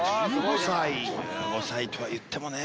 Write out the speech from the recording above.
１５歳とはいってもね